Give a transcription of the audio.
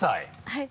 はい。